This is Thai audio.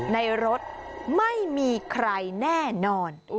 ในรถไม่มีใครแน่นอน